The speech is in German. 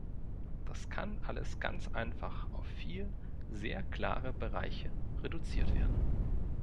Das kann alles ganz einfach auf vier sehr klare Bereiche reduziert werden.